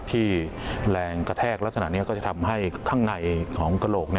ที่แรงกระแทกลักษณะนี้ก็จะทำให้ข้างในของกระโหลก